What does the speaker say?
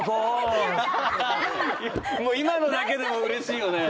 今のだけでもうれしいよね。